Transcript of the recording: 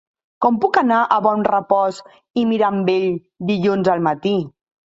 Com puc anar a Bonrepòs i Mirambell dilluns al matí?